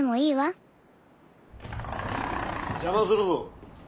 邪魔するぞ。